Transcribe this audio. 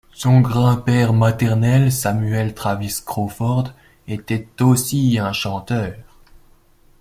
Son grand-père maternel, Samuel Travis Crawford, était aussi un chanteur.